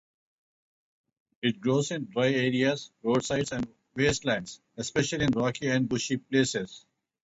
It grows in dry areas, roadsides and wastelands, especially in rocky and bushy places.